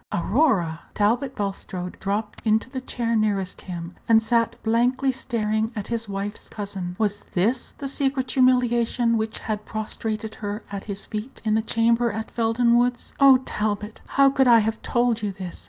"Aurora!" Talbot Bulstrode dropped into the chair nearest him, and sat blankly staring at his wife's cousin. Was this the secret humiliation which had prostrated her at his feet in the chamber at Felden Woods? "Oh, Talbot, how could I have told you this?